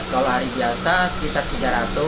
kalau hari biasa sekitar tiga ratus